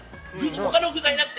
他の具材なくて。